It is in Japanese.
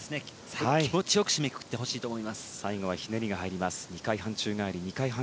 気持ち良く締めくくってほしいと思います。